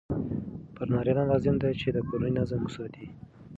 پر نارینه لازم دی چې د کورني نظم وساتي.